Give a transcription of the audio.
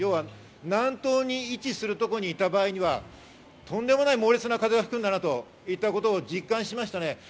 南東に位置するところにいた場合にはとんでもない猛烈な風が吹くんだなといったことを実感しました。